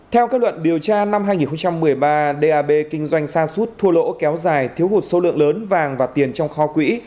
theo các luận điều tra năm hai nghìn một mươi ba dab kinh doanh sa sút thua lỗ kéo dài thiếu hụt số lượng lớn vàng và tiền trong kho quỹ